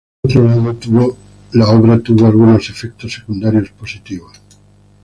Por otro lado la obra tuvo algunos efectos secundarios positivos.